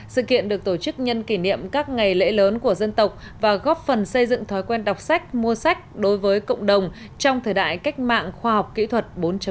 sự kiện được tổ chức nhân kỷ niệm các ngày lễ lớn của dân tộc và góp phần xây dựng thói quen đọc sách mua sách đối với cộng đồng trong thời đại cách mạng khoa học kỹ thuật bốn